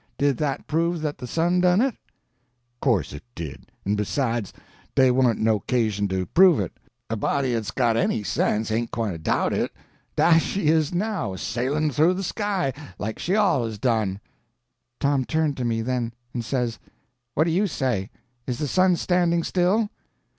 Did that prove that the sun done it?" "Course it did. En besides, dey warn't no 'casion to prove it. A body 'at's got any sense ain't gwine to doubt it. Dah she is now—a sailin' thoo de sky, like she allays done." Tom turned on me, then, and says: "What do you say—is the sun standing still?"